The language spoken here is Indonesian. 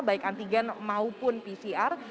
baik antigen maupun pcr